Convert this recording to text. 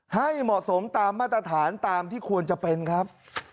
ให้เหมาะสมตามมาตรฐานตามที่ควรจะเป็นครับ